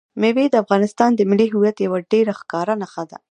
مېوې د افغانستان د ملي هویت یوه ډېره ښکاره نښه ده.